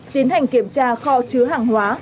tiến hành kiểm tra kho chứa hàng hóa